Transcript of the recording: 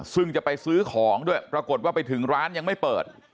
ซึ่งจะไปซื้อของด้วยปรากฏว่าไปถึงร้านยังไม่เปิด